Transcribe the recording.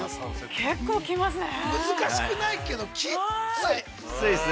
◆結構きますね。